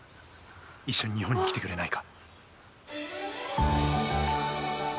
一緒に日本に来てくれないか。